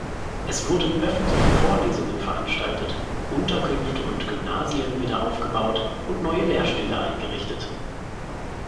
Es wurden öffentliche Vorlesungen veranstaltet, Unterkünfte und Gymnasien wieder aufgebaut und neue Lehrstühle eingerichtet.